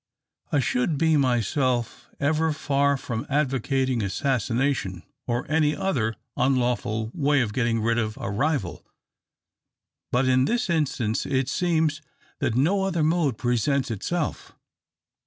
I should be myself ever far from advocating assassination, or any other unlawful way of getting rid of a rival, but in this instance it seems that no other mode presents itself.